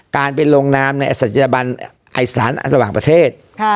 ๒การเป็นลงนามในอัศจรรยาบรรณอิสรรค์ระหว่างประเทศ